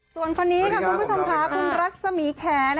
ส่วนคนนี้คุณผู้ชมค่ะคุณรัฐสมีเหแข๊